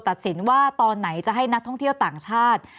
ตัดสินว่าตอนไหนจะให้นักท่องเที่ยวต่างชาติ